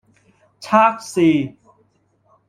測試